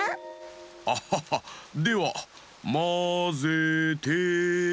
アッハッハではまぜて。